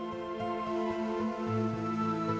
tetapi saat ini minta bu